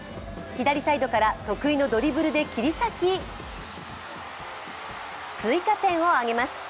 左サイドから得意のドリブルで切り裂き追加点を挙げます。